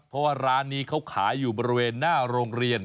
เพราะว่าร้านนี้เขาขายอยู่บริเวณหน้าโรงเรียน